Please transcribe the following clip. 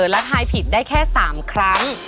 และทายผิดได้แค่๓ครั้ง